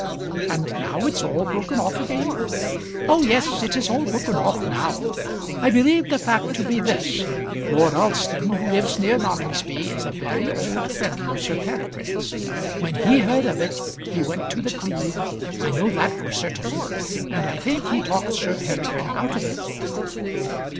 "And now it's all broken off again?" "Oh yes; it is all broken off now. I believe the fact to be this. Lord Alston, who lives near Noningsby, is a very old friend of Sir Peregrine's. When he heard of it he went to The Cleeve I know that for certain; and I think he talked Sir Peregrine out of it."